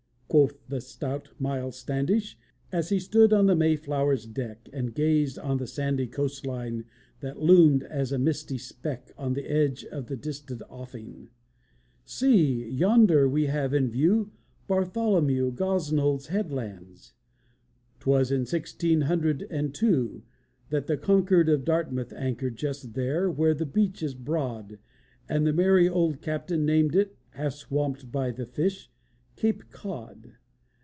quoth the stout Miles Standish, As he stood on the Mayflower's deck, And gazed on the sandy coast line That loomed as a misty speck On the edge of the distant offing, "See! yonder we have in view Bartholomew Gosnold's 'headlands.' 'Twas in sixteen hundred and two "That the Concord of Dartmouth anchored Just there where the beach is broad, And the merry old captain named it (Half swamped by the fish) Cape Cod.